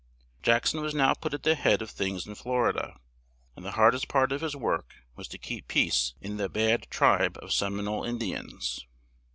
Jack son was now put at the head of things in Flor i da, and the hard est part of his work was to keep peace in the bad tribe of Sem i nole In di ans.